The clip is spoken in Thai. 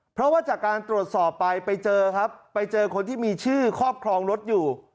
เพราะว่าจากการตรวจสอบไปไปเจอครับไปเจอคนที่มีชื่อครอบครองรถอยู่